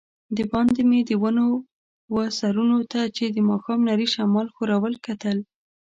دباندې مې د ونو وه سرونو ته چي د ماښام نري شمال ښورول، کتل.